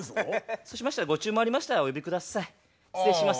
そうしましたらご注文ありましたらお呼び下さい失礼します。